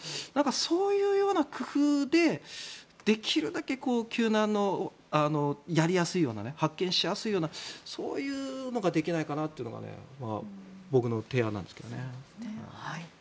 そういうような工夫でできるだけ救難のやりやすいような発見しやすいようなそういうのができないかなって僕の提案なんですけどね。